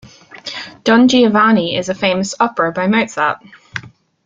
Don Giovanni is a famous opera by Mozart